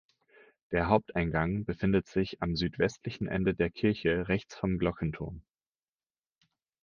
Der Haupteingang befindet sich am südwestlichen Ende der Kirche rechts vom Glockenturm.